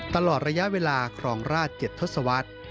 ตลอดระยะเวลาครองราช๗ทศวรรษ